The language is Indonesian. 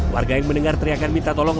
warga yang mendengar teriakan minta tolong